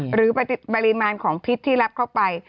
หรือปริมาณของพิษที่รับเข้าไป